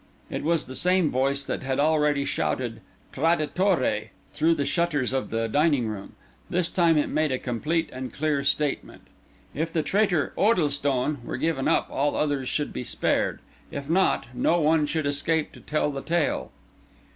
It was the same voice that had already shouted "Traditore!" through the shutters of the dining room; this time it made a complete and clear statement. If the traitor "Oddlestone" were given up, all others should be spared; if not, no one should escape to tell the tale.